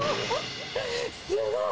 すごい！